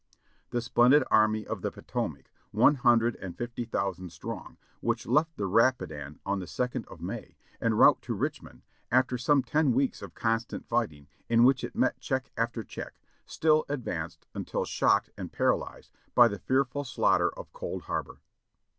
The splendid Army of the Potomac, one hundred and fifty thousand strong, which left the Rapidan on the second of May, en route to Richmond, after some ten weeks of constant fighting, in which it met check after check, still advanced until shocked and paralyzed by the fearful slaughter of Cold Harbor.